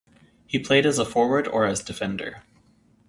He played as forward or as defender.